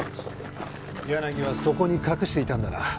柳はそこに隠していたんだな。